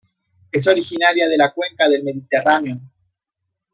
Es originaria de la Cuenca del Mediterráneo.